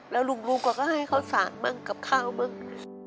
แล้วลุงก็ให้ข้าวสารบ้างกับข้าวบ้าง